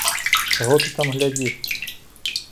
Чаго ты там глядзіш?